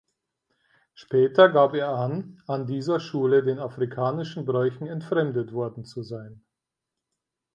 Später gab er an, an dieser Schule den afrikanischen Bräuchen entfremdet worden zu sein.